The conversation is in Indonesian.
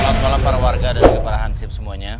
selamat malam para warga dan juga para hansip semuanya